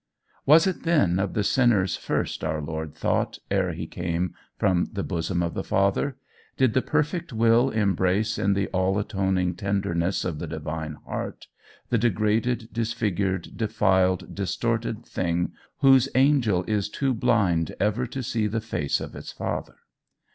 "Was it then of the sinners first our Lord thought ere he came from the bosom of the Father? Did the perfect will embrace in the all atoning tenderness of the divine heart, the degraded, disfigured, defiled, distorted thing, whose angel is too blind ever to see the face of its Father?